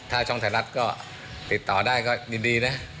ถ้าช่องไทยรัฐก็ติดต่อได้ก็ยินดีนะ